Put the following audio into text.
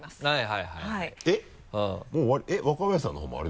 はいはい。